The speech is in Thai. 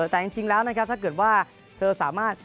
แต่จริงแล้วนะครับถ้าเกิดว่าเธอสามารถ